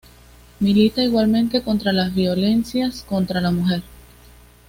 Milita igualmente contra las violencias contra la mujer.